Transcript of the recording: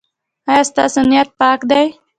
ایا ستاسو نیت پاک دی؟